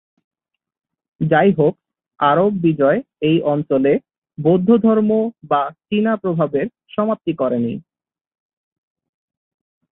যাইহোক, আরব বিজয় এই অঞ্চলে বৌদ্ধধর্ম বা চীনা প্রভাবের সমাপ্তি করেনি।